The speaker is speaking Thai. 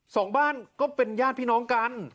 สองบ้านก็เป็นญาติพี่น้องกัน